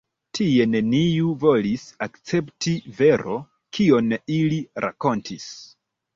Tie neniu volis akcepti vero, kion ili rakontis.